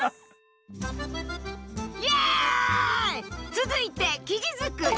続いて生地作り。